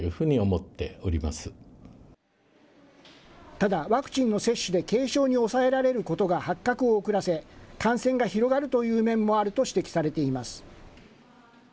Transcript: ただ、ワクチンの接種で軽症に抑えられることが発覚を遅らせ、感染が広がるという面もあると指摘されています。